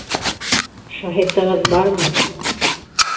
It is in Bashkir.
— Шаһитығыҙ бармы?